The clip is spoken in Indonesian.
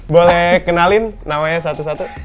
boleh kenalin namanya satu satu